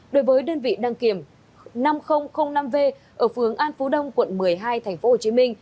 đối với đơn vị đăng kiểm năm nghìn năm v ở phường an phú đông quận một mươi hai tp hcm